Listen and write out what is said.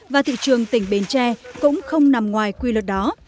và thị trường tỉnh bến tre cũng không nằm ngoài quy luật đó